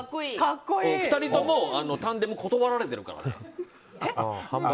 ２人ともタンデム断られてるからね。